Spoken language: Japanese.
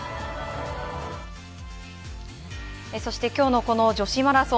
そして今日のこの女子マラソン。